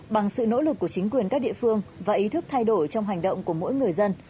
bằng sự nỗ lực của chính quyền các địa phương và ý thức thay đổi trong hành động của mỗi người dân